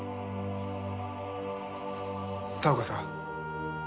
田岡さん